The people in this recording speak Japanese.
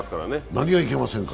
何がいけませんか？